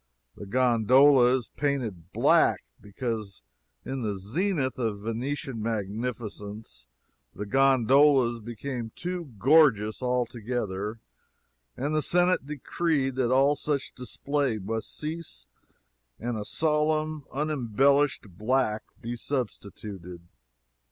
The gondola is painted black because in the zenith of Venetian magnificence the gondolas became too gorgeous altogether, and the Senate decreed that all such display must cease, and a solemn, unembellished black be substituted.